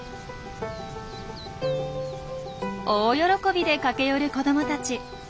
大喜びで駆け寄る子どもたち。